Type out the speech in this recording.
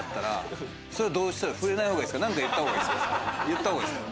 なんか言った方がいいですか？